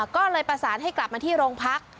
ก็เลยประสานให้กลับมาที่โรงพัก